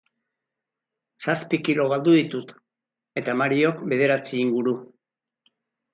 Zazpi kilo galdu ditut, eta Mariok bederatzi inguru.